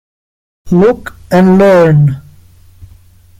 Look and learn.